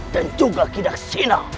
dan juga kidaksina